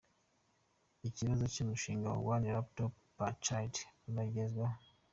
Ikibazo cy’umushinga wa One Laptop per Child utaragezweho